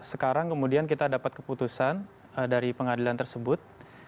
sekarang kemudian kita dapat keputusan dari pengadilan tersebut